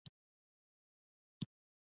هغه وویل ته ډېر ښه سړی یې.